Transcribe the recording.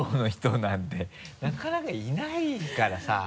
なかなかいないからさ。